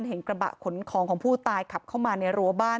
เห็นกระบะขนของของผู้ตายขับเข้ามาในรั้วบ้าน